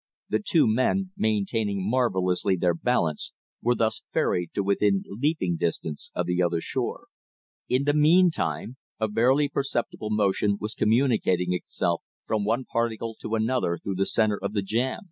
The two men, maintaining marvellously their balance, were thus ferried to within leaping distance of the other shore. In the meantime a barely perceptible motion was communicating itself from one particle to another through the center of the jam.